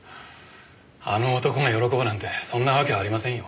あの男が喜ぶなんてそんなわけはありませんよ。